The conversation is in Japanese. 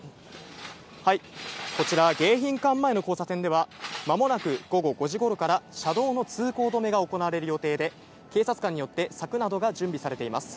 こちら、迎賓館前の交差点では、まもなく午後５時ごろから、車道の通行止めが行われる予定で、警察官によって柵などが準備されています。